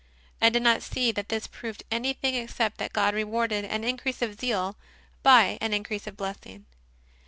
I did not see that this proved any thing except that God rewarded an increase of zeal by an increase of blessing.